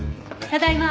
ただいま！